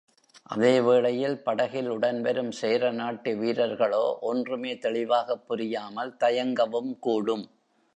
அதே வேளையில் படகில் உடன்வரும் சேரநாட்டு வீரர்களோ ஒன்றுமே தெளிவாகப் புரியாமல் தயங்கவும் கூடும்.